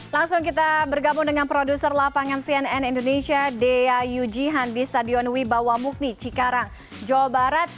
langsung kita bergabung dengan produser lapangan cnn indonesia dea yu jihan di stadion wibawamukni cikarang jawa barat